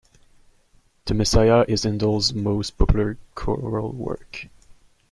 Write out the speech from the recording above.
The Messiah is Handel's most popular choral work